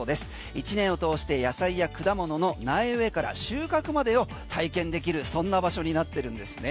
１年を通して野菜や果物の苗植えから収穫までを体験できるそんな場所になってるんですね。